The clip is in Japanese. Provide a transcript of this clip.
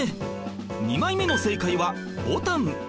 ２枚目の正解はぼたん